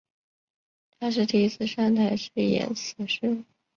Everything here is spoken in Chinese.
她第一次上台是演死尸。